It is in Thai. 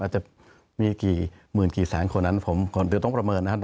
อาจจะมีกี่หมื่นกี่แสงคนนั้นผมควรต้องประเมินนะครับ